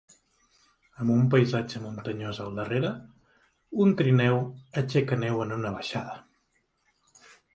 Amb un paisatge muntanyós al darrere, un trineu aixeca neu en una baixada.